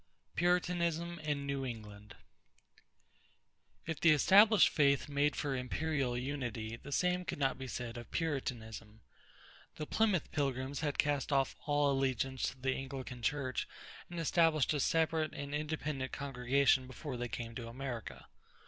=Puritanism in New England.= If the established faith made for imperial unity, the same could not be said of Puritanism. The Plymouth Pilgrims had cast off all allegiance to the Anglican Church and established a separate and independent congregation before they came to America.